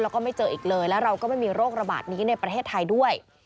แล้วก็ไม่เจออีกเลยแล้วเราก็ไม่มีโรคระบาดนี้ในประเทศไทยด้วย